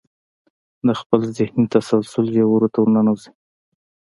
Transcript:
د خپل ذهني تسلسل ژورو ته ورننوځئ.